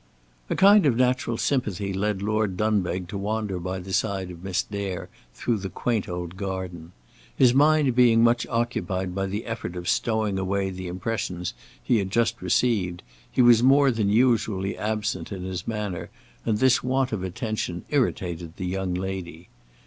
A kind of natural sympathy led Lord Dunbeg to wander by the side of Miss Dare through the quaint old garden. His mind being much occupied by the effort of stowing away the impressions he had just received, he was more than usually absent in his manner, and this want of attention irritated the young lady.